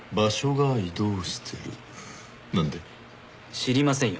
知りませんよ。